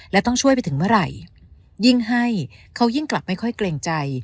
และต้องช่วยไปถึงเมื่อไหร่ยิ่งให้เขายิ่งกลับไม่ค่อยเกรงใจ